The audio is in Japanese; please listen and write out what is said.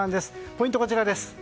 ポイントはこちらです。